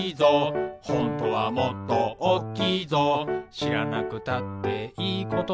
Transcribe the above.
「しらなくたっていいことだけど」